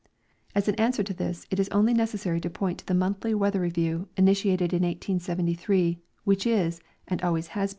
As an answer to this, it is only necessary to point to the monthly Weather Review initiated in 1873. which is, and alwavs has been.